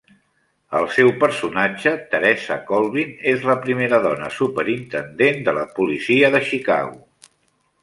El seu personatge, Teresa Colvin, és la primera dona superintendent de la policia de Chicago.